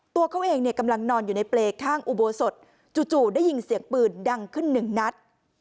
ตัวเขาเองเนี่ยกำลังนอนอยู่ในเปรย์ข้างอุโบสถจู่ได้ยินเสียงปืนดังขึ้นหนึ่งนัด